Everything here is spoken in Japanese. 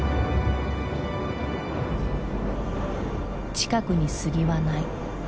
近くに杉はない。